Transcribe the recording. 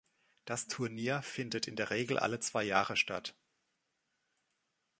Das Turnier findet in der Regel alle zwei Jahre statt.